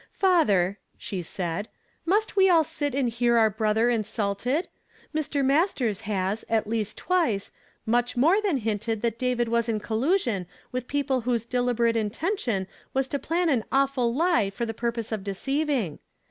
"Father," she said, "must we all sit and hear our brother insulted? Mr. Masters has, at least twice, much more than hinted that David was in collusion with people whose deliberate intention was to plan an awful lie for the purpose of deceiv ing.